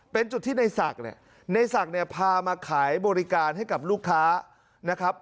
เป็นจุดที่ในศักดิ์เนี่ยในศักดิ์เนี่ยพามาขายบริการให้กับลูกค้านะครับ